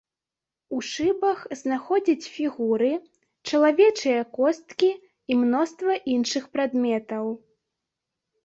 У шыбах знаходзяць фігуры, чалавечыя косткі і мноства іншых прадметаў.